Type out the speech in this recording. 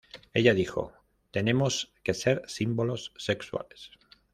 Ella dijo: "Tenemos que ser símbolos sexuales.